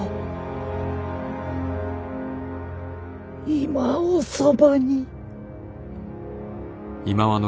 今おそばに。